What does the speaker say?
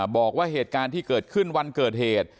บอกว่าเหตุการณ์ที่เกิดขึ้นวันเกิดเหตุ